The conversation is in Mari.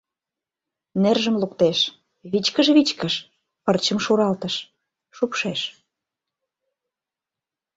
Нержым луктеш... вичкыж-вичкыж... пырчым шуралтыш... шупшеш.